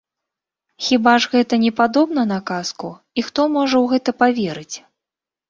Хіба ж гэта не падобна на казку і хто можа ў гэта паверыць?